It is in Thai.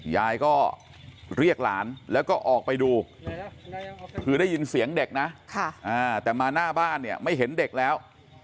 ยายก็เรียกหลานแล้วก็ออกไปดูคือได้ยินเสียงเด็กนะแต่มาหน้าบ้านเนี่ยไม่เห็นเด็กแล้ว